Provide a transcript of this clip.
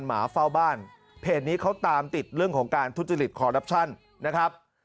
หมาเฝ้าบ้านเพจนี้เขาตามติดเรื่องของการทุจริตคอรัปชั่นนะครับ